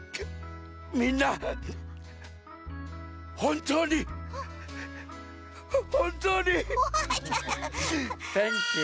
みんなほんとうにほんとうにサンキュー。